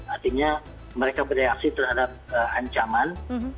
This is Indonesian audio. artinya mereka bereaksi terhadap ancaman